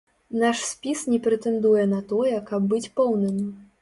Наш спіс не прэтэндуе на тое, каб быць поўным.